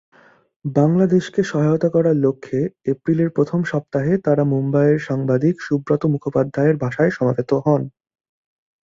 বাংলাদেশকে সহায়তা করার লক্ষ্যে এপ্রিলের প্রথম সপ্তাহে তারা মুম্বাইয়ের সাংবাদিক সুব্রত বন্দ্যোপাধ্যায়ের বাসায় সমবেত হন।